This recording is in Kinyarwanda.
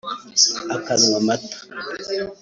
akanywa amata